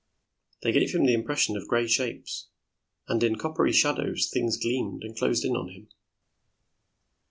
They gave him the impression of gray shapes, and in coppery shadows things gleamed and closed in on him.